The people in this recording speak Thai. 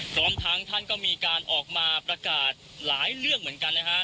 พร้อมทั้งท่านก็มีการออกมาประกาศหลายเรื่องเหมือนกันนะฮะ